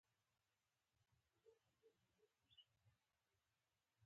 ځان بېګناه ښيي.